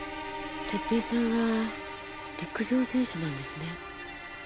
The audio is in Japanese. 哲平さんは陸上選手なんですね。